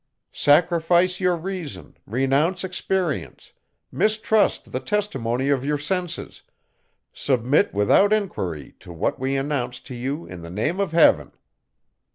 "Sacrifice your reason; renounce experience; mistrust the testimony of your senses; submit without enquiry to what we announce to you in the name of heaven."